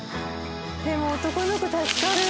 でも男の子助かる。